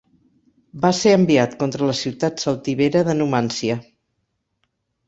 Va ser enviat contra la ciutat celtibera de Numància.